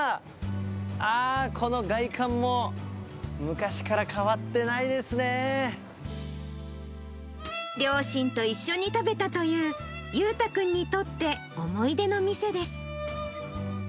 ああ、この外観も、昔から変わっ両親と一緒に食べたという、裕太君にとって思い出の店です。